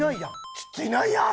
ちょっと！いないやん！